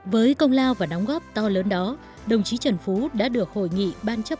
với công lao và đóng góp to lớn đó đồng chí trần phú đã được hội nghị ban chấp